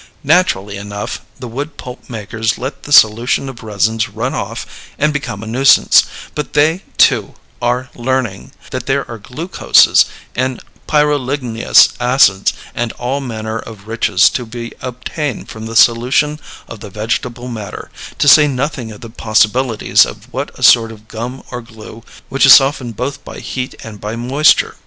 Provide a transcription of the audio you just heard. Naturally enough, the wood pulp makers let the solution of resins run off and become a nuisance, but they, too, are learning that there are glucoses and pyroligneous acids and all manner of riches to be obtained from the solution of the vegetable matter, to say nothing of the possibilities of a sort of gum or glue which is softened both by heat and by moisture.